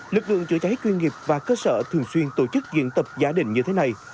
lực lượng chữa cháy chuyên nghiệp và cơ sở thường xuyên tổ chức diễn tập giả định như thế này